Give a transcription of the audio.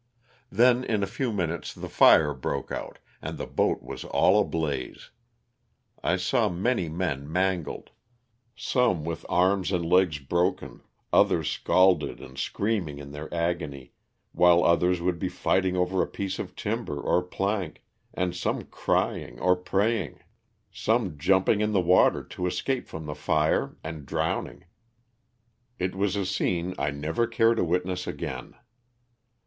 Then in a few min utes, the fire broke out, and the boat was all ablaze. I saw many men mangled — so me with arms and legs broken, others scalded and screaming in their agony, while others would be fighting over a piece of timber or plank, and some crying or praying, some jumping 39 306 LOSS OF THE SULTANA. in the water to escape from the fire and drowning. It was a scene I never care to witness again.